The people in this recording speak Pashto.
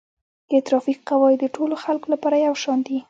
د ترافیک قواعد د ټولو خلکو لپاره یو شان دي.